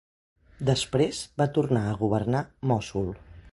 Després va tornar a governar Mossul.